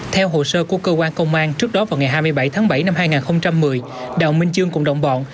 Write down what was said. theo hồ sơ của cơ quan công an trước đó vào ngày hai mươi bảy tháng bảy năm hai nghìn một mươi đào minh chương cùng đồng bọn